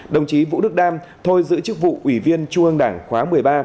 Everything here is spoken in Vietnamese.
đồng chí vũ đức đam thôi giữ chức vụ ủy viên trung ương đảng khóa một mươi ba